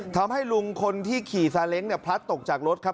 ทำให้ลุงคนที่ขี่ซาเล้งเนี่ยพลัดตกจากรถครับ